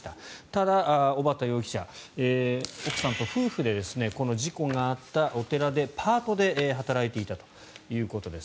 ただ、小畠容疑者奥さんと夫婦でこの事故があったお寺でパートで働いていたということです。